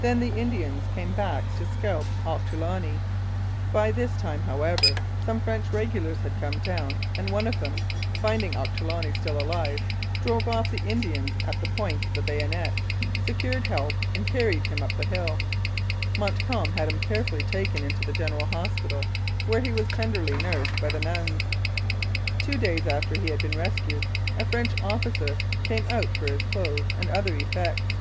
Then the Indians came back to scalp Ochterloney. By this time, however, some French regulars had come down, and one of them, finding Ochterloney still alive, drove off the Indians at the point of the bayonet, secured help, and carried him up the hill. Montcalm had him carefully taken into the General Hospital, where he was tenderly nursed by the nuns. Two days after he had been rescued, a French officer came out for his clothes and other effects.